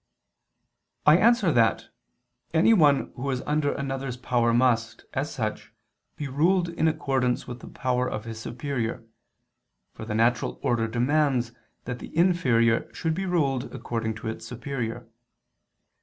I answer that, Anyone who is under another's power must, as such, be ruled in accordance with the power of his superior: for the natural order demands that the inferior should be ruled according to its superior.